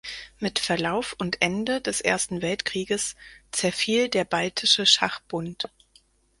Mit Verlauf und Ende des Ersten Weltkrieges zerfiel der Baltische Schachbund.